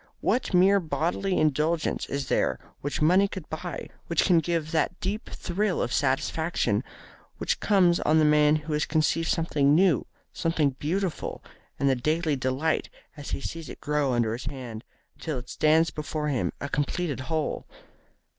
What mere bodily indulgence is there which money could buy which can give that deep thrill of satisfaction which comes on the man who has conceived something new, something beautiful, and the daily delight as he sees it grow under his hand, until it stands before him a completed whole?